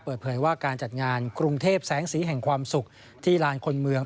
เปิดเผยว่าการจัดงานกรุงเทพแสงสีแห่งความสุขที่ลานคนเมือง